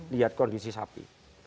lihat kondisi sapi